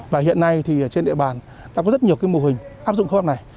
và hiện nay thì trên địa bàn đã có rất nhiều cái mô hình áp dụng khoa học này